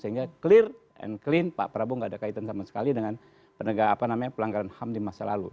sehingga clear and clean pak prabowo tidak ada kaitan sama sekali dengan pelanggaran ham di masa lalu